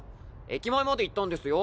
駅前まで行ったんですよ。